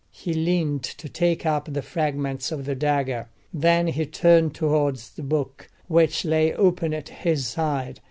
He leaned to take up the fragments of the dagger; then he turned towards the book which lay open at his side.